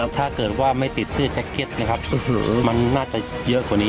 ถ้าเกิดว่าไม่ติดเสื้อแจ็คเก็ตนะครับมันน่าจะเยอะกว่านี้